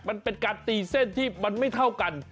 มันเป็นการตีเส้นที่มันไม่เท่ากัน